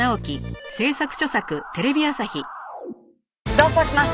同行します！